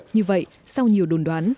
như vậy sau nhiều đồn đoán